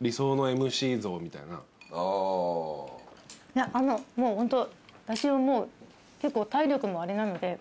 いやもうホント私はもう結構体力もあれなので。